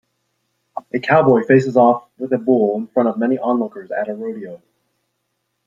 A cowboy faces off with a bull in front of many onlookers at a rodeo.